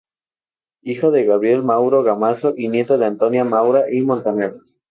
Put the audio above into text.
Hija de Gabriel Maura Gamazo y nieta de Antonio Maura y Montaner.